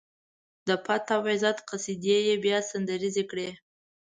د پت او عزت قصيدې يې بيا سندريزې کړې.